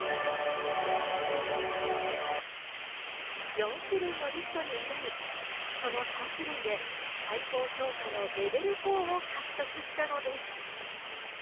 ４種類のリフトに挑み、その３種類で最高評価のレベル４を獲得したのです。